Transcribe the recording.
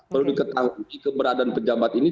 perlu diketahui keberadaan pejabat ini